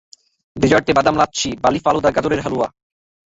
ডেজার্টে বাদাম লাচ্ছি, বার্লি ফালুদা গাজরের হালুয়া।